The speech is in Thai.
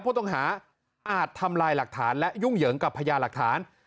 ผู้ต้องหาอาจทำลายหลักฐานและยุ่งเหยิงกับพญาหลักฐาน